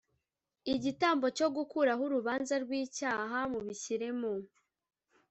Igitambo cyo gukuraho urubanza rw icyaha mubishyire mu